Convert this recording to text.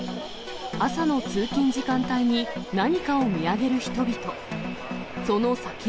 朝の通勤時間帯に、何かを見上げる人々。